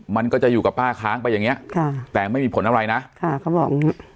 มันก็จะอยู่กับป้าค้างไปอย่างเงี้ค่ะแต่ไม่มีผลอะไรนะค่ะเขาบอก